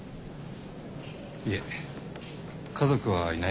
いえ家族はいないので。